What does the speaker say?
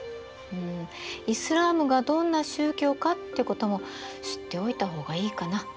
イスラームがどんな宗教かってことも知っておいた方がいいかな。